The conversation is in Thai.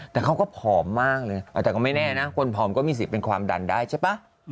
แต่เขาก็ผอมมากเลยแต่ก็ไม่แน่นะคนผอมก็มีสิทธิ์เป็นความดันได้ใช่ป่ะ